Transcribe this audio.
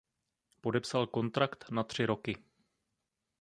Podepsal kontrakt na tři roky.